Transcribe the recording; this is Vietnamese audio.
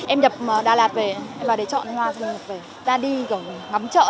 em nhập đà lạt về em vào để chọn hoa em nhập về ra đi gọi ngắm chợ